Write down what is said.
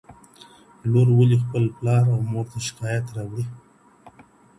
لور ولي خپل پلار او مور ته شکايت راوړي؟